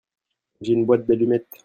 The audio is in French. J'ai une boîte d'allumettes.